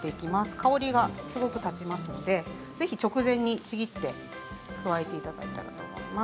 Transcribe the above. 香りが立ちますのでぜひ直前にちぎって加えていただけたらと思います。